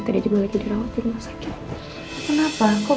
tapi gak apa apa kan keadaannya